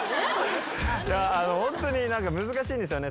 ホントに難しいんですよね。